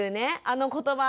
あの言葉。